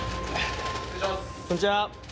こんにちは。